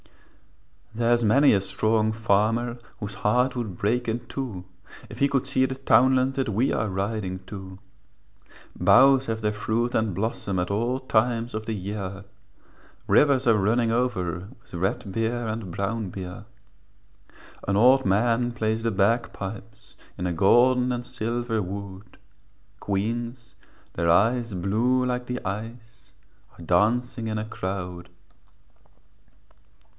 There's many a strong farmer Whose heart would break in two If he could see the townland That we are riding to; Boughs have their fruit and blossom, At all times of the year, Rivers are running over With red beer and brown beer. An old man plays the bagpipes In a golden and silver wood, Queens, their eyes blue like the ice, Are dancing in a crowd.